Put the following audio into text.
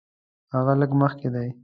هغه لږ مخکې دی.